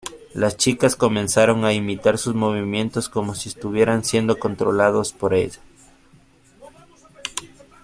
Las chicas comenzaron a imitar sus movimientos como si estuvieran siendo controladas por ella.